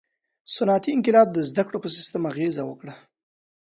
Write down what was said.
• صنعتي انقلاب د زدهکړو په سیستم اغېزه وکړه.